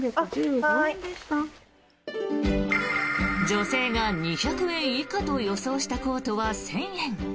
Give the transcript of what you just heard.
女性が２００円以下と予想したコートは１０００円。